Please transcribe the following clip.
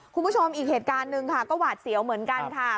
คุณผู้ชมอีกเหตุการณ์หนึ่งค่ะก็หวาดเสียวเหมือนกันค่ะ